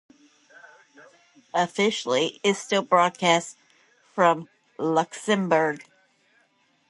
Officially, it still broadcasts from Luxembourg.